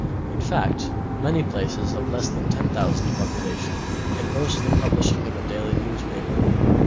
In fact, many places of less than 10,000 population can boast the publishing of a daily newspaper.